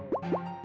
eh bulungan kabel